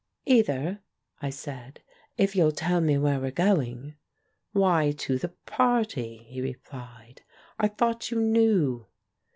"Either," I said, "if you'll tell me where we're going." "Why, to the party," he replied; "I thought you knew."